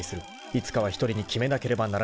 ［いつかは一人に決めなければならない］